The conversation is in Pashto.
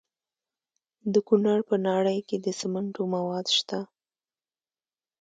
د کونړ په ناړۍ کې د سمنټو مواد شته.